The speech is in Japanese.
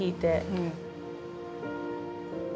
うん。